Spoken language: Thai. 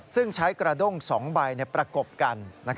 ซึ่งใช้กระด้ง๒ใบประกบกัน